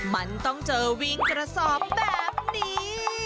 มันต้องเจอวิ่งกระสอบแบบนี้